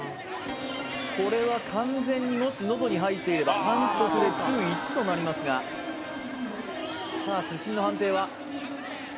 これは完全にもし喉に入っていれば反則で注意１となりますがさあ主審の判定は？